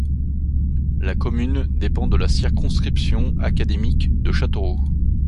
La commune dépend de la circonscription académique de Châteauroux.